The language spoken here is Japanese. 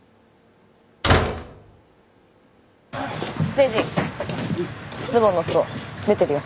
誠治ズボンのすそ出てるよ。